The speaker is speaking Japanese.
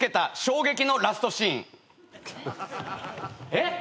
えっ！